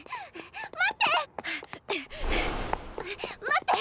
待って！